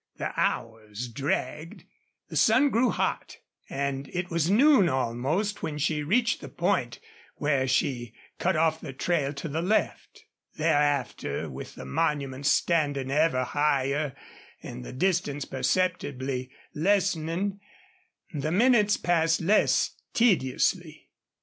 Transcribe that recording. The hours dragged. The sun grew hot. And it was noon, almost, when she reached the point where she cut off the trail to the left. Thereafter, with the monuments standing ever higher, and the distance perceptibly lessening, the minutes passed less tediously.